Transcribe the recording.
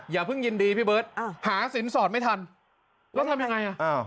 อย่าเพิ่งยินดีพี่เบิร์ตหาสินสอดไม่ทันแล้วทำยังไงอ่ะ